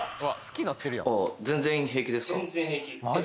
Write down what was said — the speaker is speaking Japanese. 全然平気ですか？